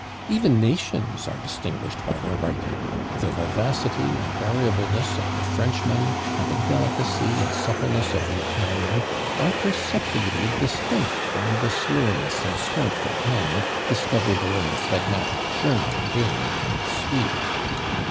Even nations are distinguished by their writing; the vivacity and variableness of the Frenchman, and the delicacy and suppleness of the Italian, are perceptibly distinct from the slowness and strength of pen discoverable in the phlegmatic German, Dane, and Swede.